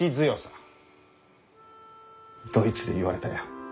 ドイツで言われたよ。